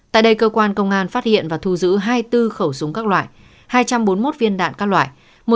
tại đây cơ quan công an phát hiện và thu giữ hai mươi bốn khẩu súng các loại hai trăm bốn mươi một viên đạn các loại